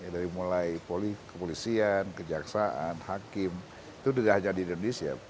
dari mulai kepolisian kejaksaan hakim itu tidak hanya di indonesia